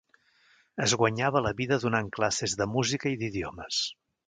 Es guanyava la vida donant classes de música i d'idiomes.